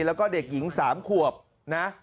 แล้วก็เด็กหญิง๓ขวบนะ